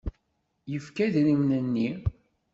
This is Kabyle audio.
Yefka idrimen-nni.